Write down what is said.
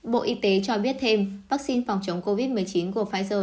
bộ y tế cho biết thêm vaccine phòng chống covid một mươi chín của pfizer